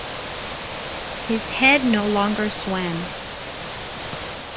His head no longer swam.